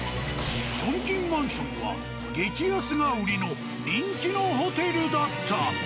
チョンキンマンションは激安が売りの人気のホテルだった。